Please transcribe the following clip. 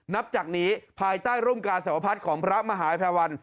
นับจากนี้ภายใต้ร่มกาสวพัฒน์ของพระมหาภัยวัน